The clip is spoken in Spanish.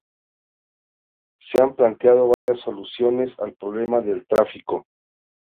Se han planteado varias soluciones al problema del tráfico.